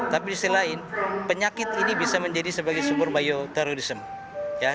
tapi di sisi lain penyakit ini bisa menjadi sebagai sumber bioterorism